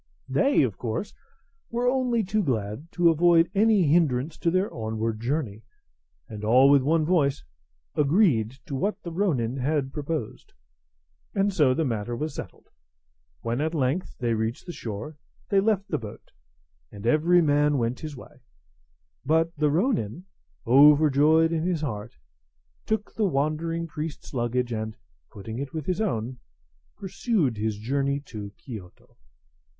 They, of course, were only too glad to avoid any hindrance to their onward journey, and all with one voice agreed to what the ronin had proposed; and so the matter was settled. When, at length, they reached the shore, they left the boat, and every man went his way; but the ronin, overjoyed in his heart, took the wandering priest's luggage, and, putting it with his own, pursued his journey to Kiyoto.